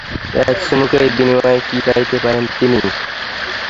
এক চুমুকের বিনিময়ে কী চাইতে পারেন তিনি?